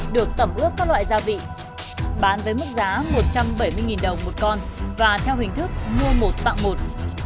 được tẩm ướp các loại gia vị bán với mức giá một trăm bảy mươi đồng một con và theo hình thức mua một tặng một